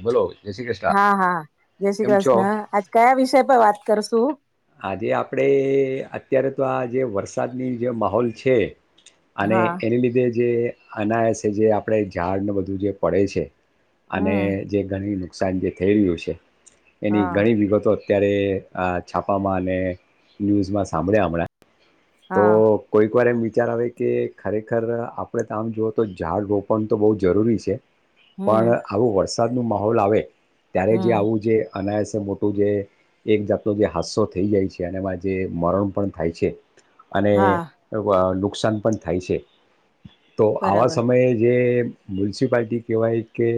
બોલો જય શ્રી કૃષ્ણ હા હા જય શ્રી કેમ છો કૃષ્ણ આજ કયા વિષય પર વાત તરસું આજે આપડે અત્યારે તો આ જે વરસાદની જે માહોલ છે અને હા એની લીધે જે અનાયસ જે આપણે ઝાડને બધું જે પડે છે. અને હમ જે ઘણી નુકસાન જે થઈ રહ્યું છે એની હા ઘણી વિગતો અત્યારે આ છાપામાં અને ન્યૂઝમાં સાંભળ્યા હમણાં તો હા કોઈક વાર એ અત્યારે આવેવે કે ખરેખર આપણે તો આમ જુઓ તો ઝાડ રોપણ તો બહુ જરૂરી છે હમ પણ આવું વરસાદનું માહોલ આવે ત્યારે જે હમ આવું જે અનાયસે મોટું જે એક જાતનો જે હદસો થઈ જાય છે અને એમાં જે મરણ પણ થાય છે અને હા નુકસાન પણ થાય છે તો આવા બરાબર સમયે જે મ્યુનિસિપાલટી કેવાય કે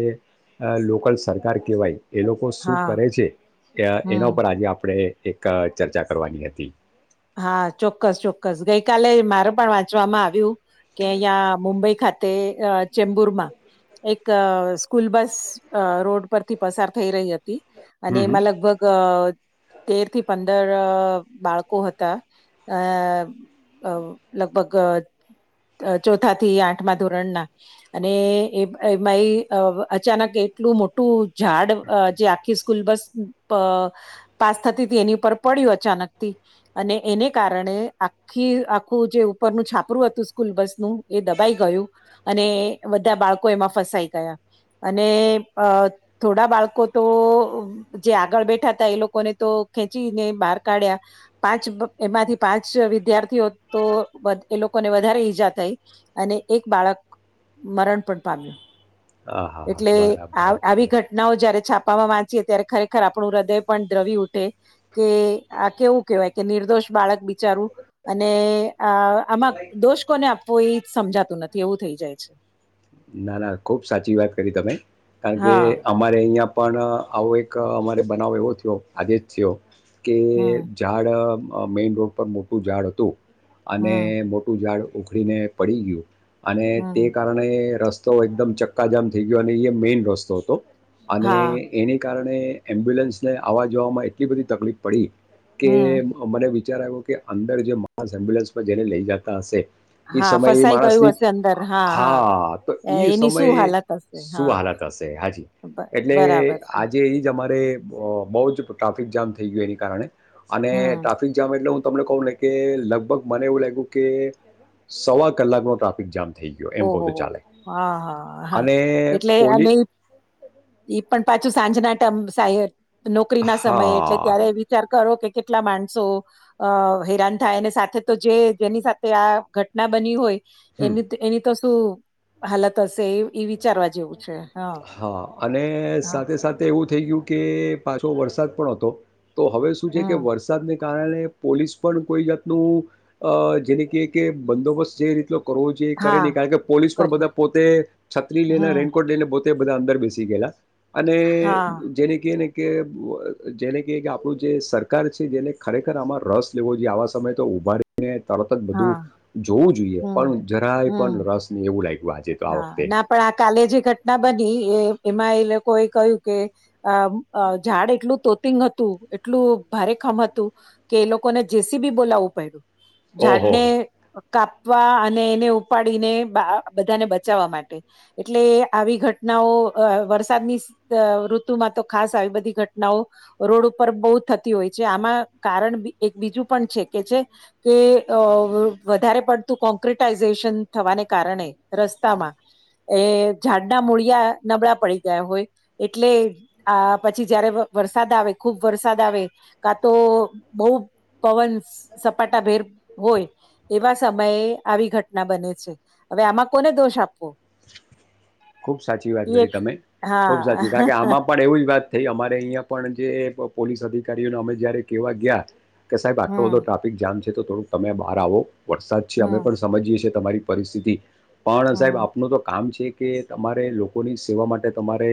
લોકલ સરકાર કેવાય એ લોકો શું હા કરે છે હમ એના ઉપર આજે આપણે એક ચર્ચા કરવાની હતી હા ચોક્કસ ચોક્કસ ગઈકાલે મારે પણ વાંચવામાં આવ્યું કે અહિયાં મુંબઈ ખાતે ચેમ્બુર માં એક સ્કૂલ બસ રોડ પરથી પસાર થઈ રહી હતી હમ અને હમ. એમાં લગભગ તેર થી પંદર બાળકો હતા અ અ લગભગ ચોથા થી આઠમાં ધોરણના અને એમાંય અચાનક એટલું મોટું ટૂ ઝાડ જે આખી સ્કૂલ બસ પાસ થતી ત એની ઉપર પડ્યું અચાનક થી અને એને કારણે આખી આખું જે ઉપરનું છાપરું હતું સ્કૂલ બસનું એ દબાઈ ગયું અને બધા બાળકો એમાં ફસાઈ ગયા અને અ થોડા બાળકો તો જે આગળ બેઠા હતા એ લોકોને તો ખેંચીને બહાર કાઢ્યા પાંચ એમાંથી પાંચ વિદ્યાર્થીઓ તો એ લોકોને વધારે ઈજા થઈ અને એક બાળક મરણ પણ પામ્યું હા હા હા એટલે બરાબર છે. આવી ઘટનાઓ જયારે છાપા વા ત્યારે ખરેખર આપણું હૃદય પણ દ્રવિ ઉઠે કે આ કેવું વાય કે નિર્દોષ બાળક બિચારું અને આ આમાં દોષ કોને આપ કોઈ સમજાતું નથી એવું થઈ જાય છે ના ના ખુબ સાચી વાત કરી તમે કારણ કે હા અમારે અહિયાં પણ આવો એક અમારે બનાવ એવો થયો આજે જ થયો કે હમ ઝાડ મેઈન રોડ પર મોટું ઝાડ હતું અને હમ મોટું ઝાડ ઉખડીને પડી ગયું અને હમ તે કારણે રસ્તો એકદમ ચક્કાજામ થઈ ગયો અને એ મેઈન રસ્તો હતો અને હા એની કારણે એમ્બ્યુલન્સને આવવા જોવામાં એટલી બધી તકલીફ પડી, કે હમ મને વિચાર આવ્યો કે અંદર જે માણસ એમ્બ્યુલન્સમાં જેને લઈ જતા હશે. એ હા સમય એ ફસાઈ ગયું માણસની હશે અંદર હા તો એ એની શું સમયે હાલત હશે શું હા હાલત હશે હાજી બ- એટલે બરાબર છે આજે એ બહ જ ટ્રાફિક જામ થઈ ગયું એની કારણે અને હમ ટ્રાફિક જામ એટલે હું, તમને કહું ને કે લગભગ મને એવું લાગ્યું કે, સવા કલાક નો ટ્રાફિક જામ થઈ ગયો એમ કહ ઓહો તો ચાલે હા હા હા અને એટલે પોલી અને ઈ પણ પાછું સાંજના ટમ સાહે નોકરી ના સમયે એટલે હા, ત્યારે વિચાર કરો કે કેટલા માણસો અ હેરાન થાય અને સાથે તો જે જેની સાથે આ ઘટના બની હોય હમ. એની એની તો શું હાલત હશે એ એ વિચારવા જેવું છે હા અને હા સાથે સાથે એવું થઈ ગયું કે પાછો વરસાદ પણ હતો તો હવે શું છે કે હમ વરસાદને કારણે પોલીસ પણ કોઈ જાતનું જેને ક કે બંદોબસ્ત જે રીતનો કરવો જોઈએ કરે હા નહી કારણ કે પોલીસ પણ કરીને બધા પોતે છત્રી લઈને હમ રેનકોટ લઈને બધા અંદર બેસી ગયેલા અને હા જેને ક ને કે જેને ક કે આપણું જે સરકાર છે જેને ખરેખર આમાં રસ લેવો જોઈએ આવા સમયે તો ઉાને તરત જ બધું હા જોવું જોઈએ હમ પણ જરાય પણ હમ રસ ને એવું લાગ હા ના પણ આ કાલે જે ઘટના બની એ એમાં એ લોકો એ કહ્યું કે અ ઝાડ એટલું તો હતું એટલું ભારે કામ હતું કે એ લોકોને જેસી બી બોલાવવું પડ્યું. ઓહોહો ઝાડને કાપવા અને એને ઉપાડીને, બધાને બચાવવા માટે એટલે આવી ઘટનાઓ વરસાદની ઋતુમાં તો ખાસ આવી બધી ઘટનાઓ રોડ ઉપર બહ થતી હોય છે આમાં કારણ એક બીજું પણ છે. છે કે વધારે પડતું કોંક્રિટાઈઝેશન થવાને કારણે રસ્તામાં એ ઝાડના મૂળિયા નબળા પડી ગયા હોય એટલે આ પછી જયારે વરસાદ આવે ખુબ વરસાદ આવે કા તો બહ, પવન સપાટાભેર હોય એવા સમયે આવી ઘટના બને છે હવે આમાં કોને દોષ આપવો ખુબ સાચી વાત એ કરી એક તમે ખુબ હા સાચી કારણ કે આમાં પણ એવું જ વાત તે અમારે અહિયાં પણ જે પોલીસ અધિકારીઓને અમે જયારે કેવા ગયા. કે સાહેબ આટલો બધો હમ ટ્રાફિક જામ છે તો થોડુંક તમે બહાર આવો વરસાદ છે હમ અમે પણ સમજીએ છી તમારી પરિસ્થિતિ પણ સાહેબ હમ આપનું તો કામ છે કે તમારે લોકોની સેવા માટે તમારે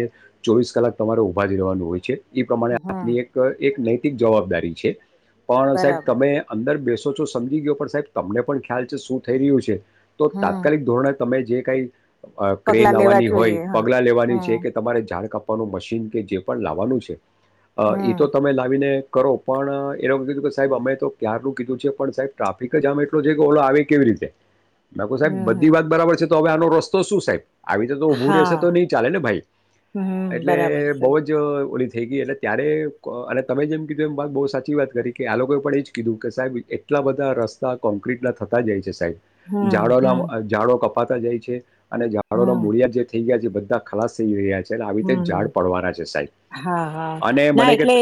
ચોવીસ કલાક તમારે ઊભા ર રહેવાનું હોય છે. એ પ્રમાણે આપની હમ એક એક નૈતિક જવાબદારી છે પણ સાહેબ બરાબર તમે અંદર બેસ ો સમજી ગયો પણ સાહેબ તમને પણ ખ્યાલ છે શું થઈ રહ્યું છે તો હમ તાત્કાલિક ધોરણે તમે જે કઈ ક્રેન પગલા લેવા લવાની જોઈએ હોય હા પગલા લેવાની છે હમ કે તમારે ઝાડ કપ આપવાનું મશીન કે જે પણ લાવવાનું છે એ તો હમ તમે લાવીને કરો પણ એ લોકો વતે કીધું કે સાહેબ અમે તો ક્યારનુંું કીધું છે પણ સાહેબ ટ્રાફિક જામ એટલો છે કે ઓલો આવે કેવી રીતે બા હમ સાહેબ બધી હમ વાત બરાબર છે તો હવે આનો રસ્તો શું સાહેબ આવી તો તો ઉઊભું રહેશે હા તો નઈ ચાલે ને ભાઈ હમ એટલે બરાબર છે બઉ જ ઓ થઈ ગઈ એટલે ત્યારે અને તમે જેમ કીધું એમ વાત બહુ સાચી વાત કરી કે આ લોકોએ પણ એ જ કીધું કે સાહેબ એટલ આટલા બધા રસ્તા કોન્ક્રીટ ના થતા જાય છે, સાઈડ હમ હમ ઝાડોના ઝાડો કપાતા જાય છે, અને ઝાડોના હમ મૂળિયા જે થઈ ગયા છે. બધા ખલાસ થઈ રહ્યા છે, આવી રીતે ઝાડ હમ પડવાના છે. સાહેબ હા હા અને ના મને કે એટલે ત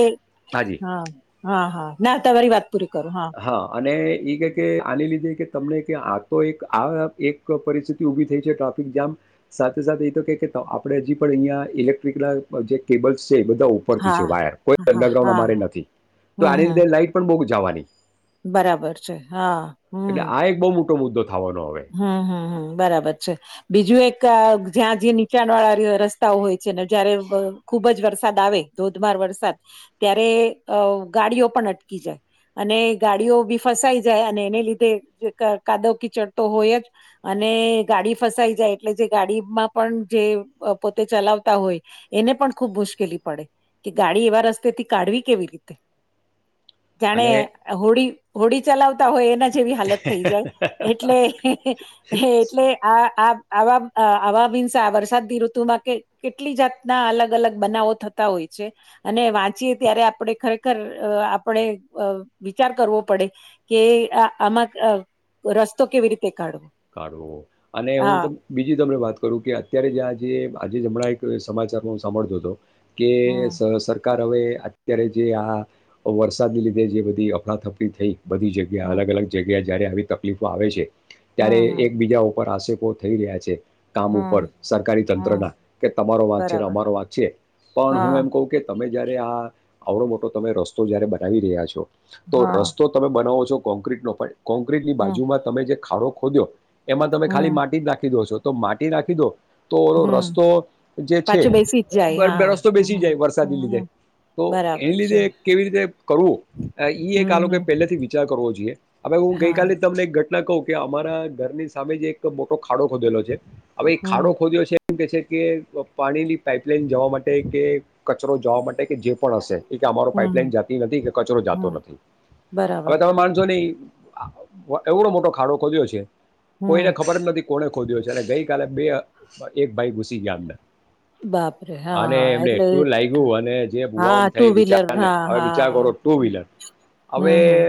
હાજી હા હા હા ના તમારી વાત પૂરી કરું હા હા અને ઈ કે કે આની લીધે. કે તમને કે આ તો એક આ એક પરિસ્થિતિ ઊભી થઈ છે, ટ્રાફિકજામ સાથે સાથે એ તો કે આપે હજી પણ અહીંયા ઇલેક્ટ્રિક ના જે કેબલ્સ. બધા ઉપરથી છે હા વાયર કોઈ હા અંડરગ્રાઉન્ડ હા અમારે નથી તો હમ આની હમ લીધે લાઈટ પણ બહુ જવાની બરાબર છે હા એટલે હું. આ એક બહુ મોટો મુદ્દો થવાનો હવે હું હું હું બરાબર છે બીજું એક જ્યાં જે નીચાણ વાળા રસ્તાઓ હોય છે ને જયારે ખુબ જ વરસાદ આવે ધોધમાર વરસાદ ત્યારે ગાડીઓ પણ અટકી જાય. અને ગાડીઓ બી ફસાઈ જાય અને એને લીધે કાદવ કિચડ તો હોય જ અને ગાડી ફસાઈ જાય એટલે જે ગાડીમાં પણ જે પોતે ચલાવતો. હોય એને પણ ખુબ મુશ્કેલી પડે કે ગાડી એવા રસ્તે થી કાઢવી કેવી રીતે જાણે અને હોળ હોડી ચલાવતા હોય એના જેવી હાલત થઈ જાય. એટલે આ એટલે આ આ આવા આવા ભિન્સા વરસાદની ઋતુમાં કે કેટલી જાતના અલગ અલગ બનાવો થતા હોય છે. અને વાંચીએ ત્યારે આપણે ખરેખર આપણેે વિચાર કરવો પડે. કે આમાં રસ્તા કાઢવો અને હા હું બીજી તમને વાત કરું કે અત્યારે જ્યાં જે આજે હમણાં એક સમાચારમાં હું સાંભળતો હતો, કે હમ સરકાર સરકાર હવે અત્યારે જે આ વરસાદને લીધે જે બધી અફડાથફરી થઈ. બધી જગ્યા હમ અલગ અલગ જગ્યા જ્યારે આવી તકલીફો આવે છે, ત્યારે હમ હમ એકબીજા પર આક્ષેપો થઈ રહ્યા છે. કામ હમ ઉપર સરકારી તંત્ર હમ ના કે તમારો વાંચી બરાબર અમારો વાંચીએ. પણ હું હા એમ કહું કે તમે જયારે આ આવડો મોટો તમે રસ્તો જયારે બનાવી રહ્યા છો, તો હા રસ્તો તમે બનાવો છો, કોક્રીટ નો કોક્રટની હમ બાજુમાં તમે જે ખાડો ખોદ્યો એમાં તમે ખાલી હમ માટી જ નાખી દો છો. તો માટી રાખી દો. તો હમ રસ્તો જે છે પાછું બેસી જ જાય બે હા રસ્તો બેસી હમ જાય વરસાદને હમ લીધે તો બરાબર એની છે લીધે કેવી રીતે કરવું એ એક હમ આ હમ પહેલેથી વિચાર કરવો જોઈએ હવે હું હા ગઈકાલે તમને એક ઘટ કહું કે અમારા ઘરની સામે જ એક મોટો ખાડો ખોદેલો છે હવે એ ખાડો હમ ખોદયો છે. એમ કેહે છે કે પાણીની પાઇપલાઈન જવા માટે કે કચરો જવા માટે કે જે પણ હશે. એ કે અમારો હમ પાઈપલાઈન હમ જાતી નથી કે કચરો જાતો હમ નથી બરાબર હવે તમે માનશોને. એવડો મોટો ખાડો ખોદયો છે કોઈને હમ ખબર જ નથી. કોણે ખોદયો છે અને ગઈકાલે બે એક ભાઈ ઘુસી ગયા અંદર બાપરે હા અને હા એમને એટલે એટલું લાગ્યું અને જે ભુવા હા ટુ થઈ વ્હીલર વિચારને હા હવે વિચાર કરો. હા ટુ વ્હીલર હવે હમ હમ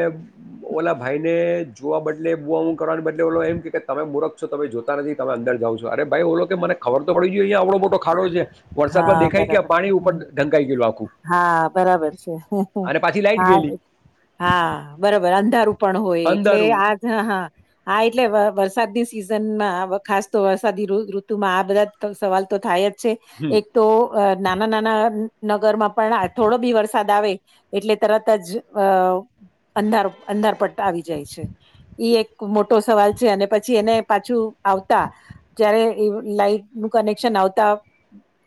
ઓલા ભાઈ ને જોવા બદલે બહુ કરવાની બદલે ઓલો એમ કે કે તમે મુરખોમે જોતા નથી તમે અંદર જાવ છો અરે ભાઈ ઓલો કે મને ખબર તો પડી ગઈ. અહિયાં આવડો મોટો ખાડો છે વરસાદમાં હા દેખાય કે બરાબર પાણી ઉપર હમ, ઢંકાઈ ગયેલું આખું. હા બરાબર છે અને પાછી લાઈટ ગયેલી હા હા બરાબર અંધારું પણ હોય અંદર એટલે હું આજ હ હા હા એટલે વરસાદની સિઝનમાં ખાસ તો વરસાદી ઋતુમાં આ બધા સવાલ તો થાય જ છે હમ એક તો નાના નાના નગરમાં પણ થોડો બી વરસાદ આવે એટલે તરત જ અંધાર અંધાર પટ આવી જાય છે. ઈ એક મોટો સવાલ છે અને પછી એને પાછું આવતા જયારે લાઈટનું કનેક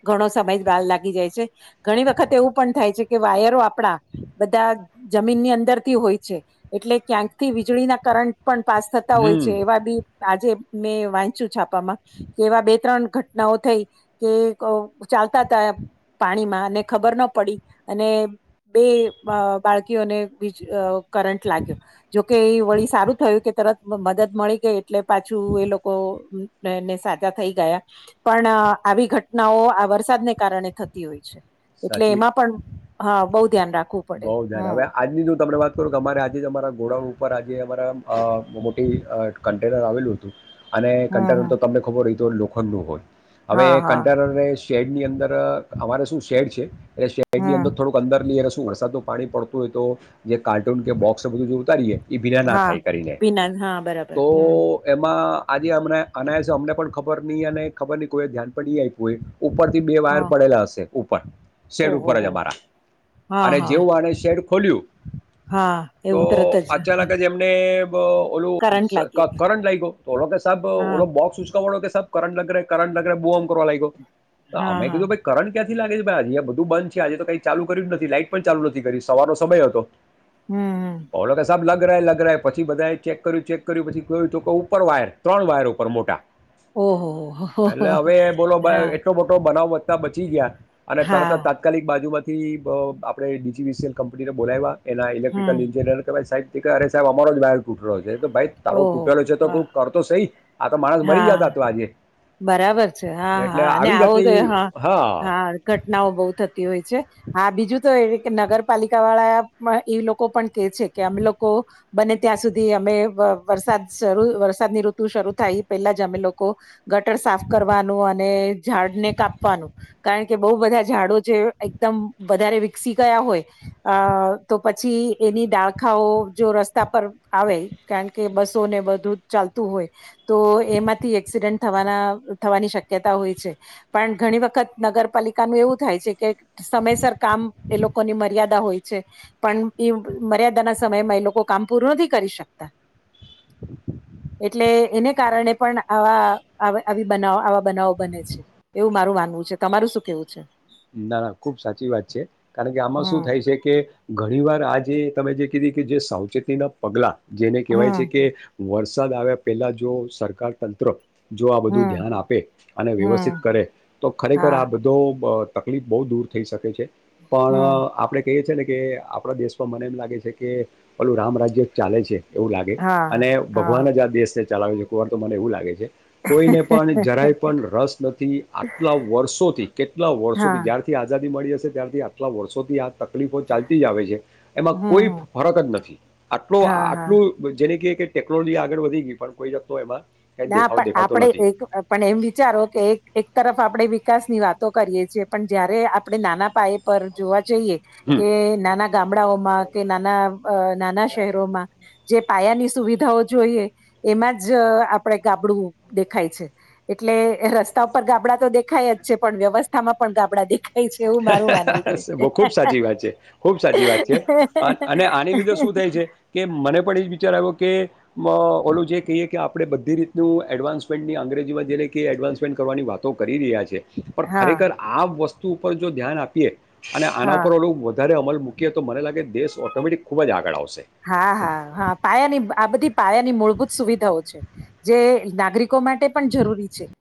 ઘણો સમય વાર લાગી જાય છે ઘણી વખત એવું પણ થાય છે કે વાયરો આપણા બધા જમીનની અંદરથી હોય છે એટલે ક્યાંક થી વીજળીના કરંટ પણ પાસ થતા હોય છે હમ એવા ભી આજે મેં વાંચુ છાપામાં કે એવા બે ત્રણ ઘટનાઓ થઈ કે ચાલતા હતા પાણીમાં અને ખબર ના પડી અને બે બાળકીઓને વિજ કરંટ લાગ્યો, જોકે એ વળી સારું થયું કે તરત મદદ મળી કે, એટલે પાછું એ લોકોને સાજા થઈ ગયા. પણ આવી ઘટનાઓ આ વરસાદને કારણે થતી હોય છે એટલે એમાં પણ હા બહુ ધ્યાન રાખવું પડે બઉ જારે હમ હવે આજની જો તમને વાત કરું કે અમારે આજે જ અમારા બોડા ઉપર આજે અમારા મોટી કન્ટેનર આવેલું હતું. અને કન્ટેનર હમ તો તમને ખબર હોય તો લોખંડ નું હોય હવે હા હા કન્ટેનરને શેડ ની અંદર અમારે શું શેડ છે એટલે શેડ ની હમ અંદર થોડુંક અંદર લઈ શું વરસાદનું પાણી પડતું હોય તો જે કાર્ટૂન કે બોક્સ બધું જો ઉતારીએ એ ભિના ના હા થાય કરીને પીના હા બરાબર તો હમ એમાં આજે અમણે અનાય અમને પણ ખબર નહી અને ખબર નહ કોઈ ધ્યાન પણ નઈ આપ્યું હોય, ઉપરથી બે વાયર હા પડેલા હશે ઉપર શેડ ઓહો ઉપર જ હો અમારા હા અને હા જેવું આને શેડ ખોલ્યું હા તો એવું તરત જ અચાનક જ એમને ઓ કરંટ લાગી ગયું કરંટ લાગ્યો ઓલો સાબ કે હા ઓલો બોક્સ ઉચકવાવાળો કે સાબ કરંટ લગ કરંટ બુમ કરવા લાગ્યો તો હા અમે હા કીધું ભાઈ કરટ ક્યાંથી લાગે છે ભ હ બધું બંધ છે આજે તો કઈ ચાલુ કર્યું જ નથી લાઈટ પણ ચાલુ નથી કરી સવાર નો સમય હતો. હમ હમ ઓલો કે સાબ લગ લગ લગ રહા પછી બધા ચેક કર્યું ચેક કર્યું પછીયું તો કે ઉપર વાયર ત્રણ વાયર ઉપર મોટા ઓહો હો હો એટલે હવે બોલો હા એટલો મોટો બનાવ બતા બચી ગયા અને તરત હા તાત્કાલિક બાજુમાંથી આપણે ડીજીવીસીએલ કંપનીનો બોલાવવા એના હમ ઇલેક્ટિકલ એન્જિનયર કે સાહેબ કે અરે સાહેબ અમારો જ તૂટ્યો છે તો ભાઈ તારો ઓહ તૂટેલો છે તો તુ હા કરતો સહી આ તો માણસ મરી હા જાત આજે બરાબર છે હા એટલે હા અને આવી આવો તો જાતની હા હા ઘટનાઓ બહુ થતી હોય છે, હા બીજું તો એ નગરપાલિકા વાળા એ લોકો પણ કે છે કે અમે લોકો બને ત્યાં સુધી અમે વરસાદ શરૂ વરસાદની ઋતુ શરૂ થાય પેલા જ અમે લોકો ગટર સાફ કરવાનું અને ઝાડ ને કાપવાનું કારણ કે બહુ બધા ઝાડો જે એકદમ વધારે વિકસી ગયા હોય અ તો પછી એની દાળખાઓ જો રસ્તા પર, આવે કારણ કે બસોને બધું ચાલતું હોય તો એમાંથી એક્સિડન્ટ થવાના થવાની શક્યતા હોય છે પણ ઘણી વખત નગરપાલિકાનું એવું થાય છે કે, સમયસર કામ એ લોકોની મર્યાદા હોય છે. પણ એ મર્યાદાના સમયમાં એ લોકો કામ પૂરું નથી કરી શકતા એટલે એને કારણે પણ આવા આવી બનાવ આવા બનાવો બને છે એવું મારું માનવું છે, તમારું શું કેવું છે? ના ના ખુબ સાચી વાત છે કારણ કે આમાં શું હમ થાય છે કે ઘણી વાર આ જે તમે જે કીધી કે જે સાવચેતીના પગલા જેને કહેવાય છે હમ કે, વરસાદ આવ્યા પહેલાં જો સરકાર તંત્ર જો આ બધું હમ ધ્યાન આપે અને વ્યવસ્થિત હમ કરે તો ખરેખર હા આ બધો તકલીફ બહુ દૂર થઈ શકે છે પણ હમ આપણે કહીએ છીએ ને કે આપણા દેશમાં મને એમ લાગે છે કે ઓલું રામ રાજય ચાલે છે. એવું લાગે હા અને હા ભગવાન જ આ દેેશને ચલાવે છે કોક વાર તો મને એવું લાગે છે. કોઈને પણ જરાય પણ રસ નથી આટલા વર્ષોથી કેટલા વર્ષો વર્ષોથી હા જ્યારથી આઝાદી મળી હશે ત્યારથી આટલા વર્ષોથી તકલીફો ચાલતી જ આવે છે એમાં કોઈ હમ ફરક જ નથી આટલો હા હા આટલું જેને કે, કે ટેકનોલોજી આગળ વધી ગઈ પણ કોઈ જસ્તો એમાં કાંઈ ના દેખાવ પણ દેખાતો આપડે નથી એક પણ એમ વિચારો કે એક એક તરફ આપણે વિકાસ ની વાતો કરીએ છીએ પણ જયારે આપણે નાના પાયે પર જોવા. જઈએ હમ કે નાના ગામડાઓમાં કે નાના નાના શહેરોમાં જે પાયાની સુવિધાઓ જોઈએ એમાં જ આપે ગાબડું દેખાય છે એટલે રસ્તા ઉપર ગાબડા તો દેખાય જ છે પણ વ્યવસ્થામાં પણ આપડા દે ખુબ સાચી વાત છે ખુબ સાચી વાત છે અને આની લીધે શું થાય છે કે મને પણ એ જ વિચાર આવ્યો કે કે ઓલું જે કહીએ કે આપણે બધી રીતનું એડવાન્સમેન્ટની અંગ્રેજીમાં જે લ કે એડવાન્સમેન્ટ કરવાની વાતો કરી રહ્યા છે પણ હા ખરેખર આ વસ્તુ ઉપર જો ધ્યાન આપીએ અને આના હા ઉપર ઓ વધારે અમલૂકીએ તોને લાગે દેશ ઓટોમેટિક ખૂબ જ આગળ આવ હોય હા હા હા પાયાની આ બધી પાયાની મૂળભૂત સુવિધાઓ છે જે નાગરિકો માટે પણ જરૂરી છે